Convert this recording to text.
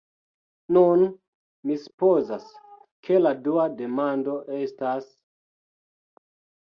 Nun, mi supozas, ke la dua demando estas: